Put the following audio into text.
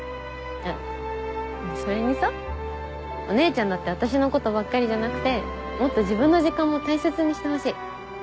それにさお姉ちゃんだって私のことばっかりじゃなくてもっと自分の時間も大切にしてほしい。